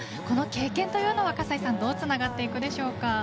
この経験というのは葛西さんどうつながっていくでしょうか。